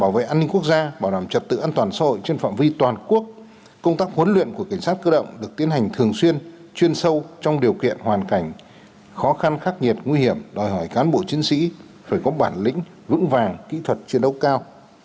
vì toàn quốc công tác huấn luyện của cảnh sát cơ động được tiến hành thường xuyên chuyên sâu trong điều kiện hoàn cảnh khó khăn khắc nhiệt nguy hiểm đòi hỏi cán bộ chiến sĩ phải có bản lĩnh vững vàng kỹ thuật chiến đấu cao